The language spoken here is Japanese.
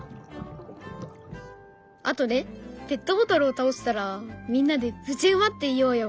あとねペットボトルを倒したらみんなで「ぶちうま」って言おうよ！